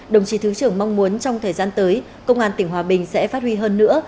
đồng chí thứ trưởng mong muốn trong thời gian tới công an tỉnh hòa bình sẽ phát huy hơn nữa